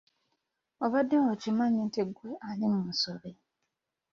Obadde okimanyi nti ggwe ali mu nsobi?